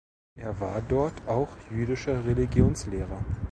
Er war dort auch jüdischer Religionslehrer.